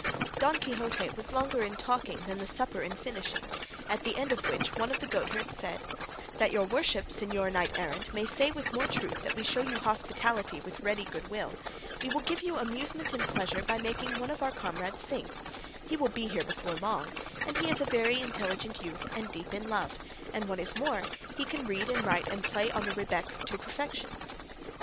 Don Quixote was longer in talking than the supper in finishing, at the end of which one of the goatherds said, "That your worship, señor knight errant, may say with more truth that we show you hospitality with ready good will, we will give you amusement and pleasure by making one of our comrades sing: he will be here before long, and he is a very intelligent youth and deep in love, and what is more he can read and write and play on the rebeck to perfection."